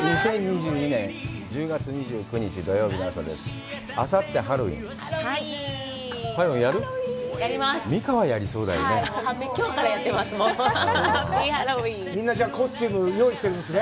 ２０２２年１０月２９日、土曜日の朝です。